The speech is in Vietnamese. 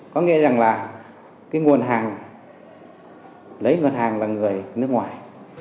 có nghĩa rằng là cái nguồn hàng lấy ngân hàng là người nước ngoài